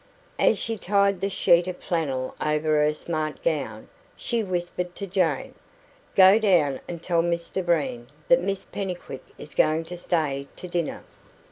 As she tied the sheet of flannel over her smart gown, she whispered to Jane: "Go down and tell Mr Breen that Miss Pennycuick is going to stay to dinner."